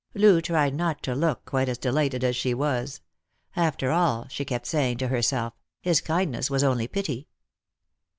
Loo tried not to look quite as delighted as she was. After all, she kept saying to herself, his kindness was only pity.